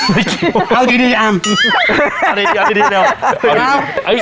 ไม่เกี่ยวกับข้าพิ